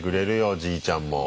おじいちゃんも。